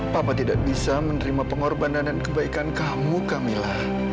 papa tidak bisa menerima pengorbanan dan kebaikan kamu kamila